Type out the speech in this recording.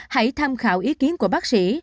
hãy tham khảo ý kiến của bác sĩ